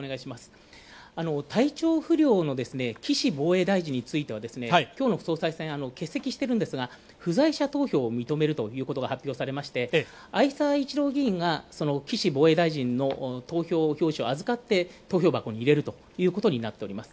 体調不良の岸防衛大臣についてはきょうの総裁選、欠席してるんですが不在者投票を認めるということが発表されまして、逢沢一郎議員が岸防衛大臣の投票書を預かって投票箱に入れるということになっています。